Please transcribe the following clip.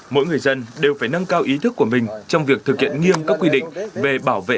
mỗi người dân đều phải nâng cao ý thức của mình trong việc thực hiện nghiêm các quy định về bảo vệ